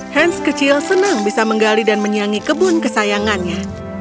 hans kecil senang bisa menggali dan menyangi kebun kesayangannya